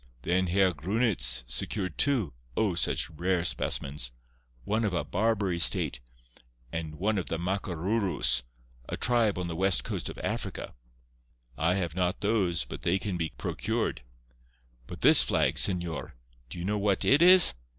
Then Herr Grunitz secured two, O! such rare specimens. One of a Barbary state, and one of the Makarooroos, a tribe on the west coast of Africa. I have not those, but they can be procured. But this flag, señor—do you know what it is?